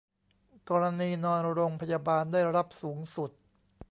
กรณีนอนโรงพยาบาลได้รับสูงสุด